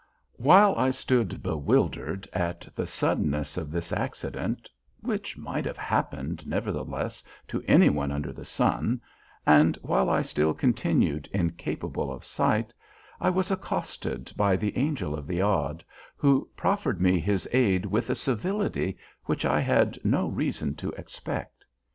While I stood bewildered at the suddenness of this accident (which might have happened, nevertheless, to any one under the sun), and while I still continued incapable of sight, I was accosted by the Angel of the Odd, who proffered me his aid with a civility which I had no reason to expect.